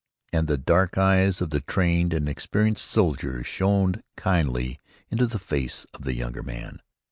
And the dark eyes of the trained and experienced soldier shone kindly into the face of the younger man.